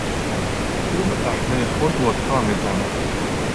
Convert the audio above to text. او به قهوهی خود ودکا میزند.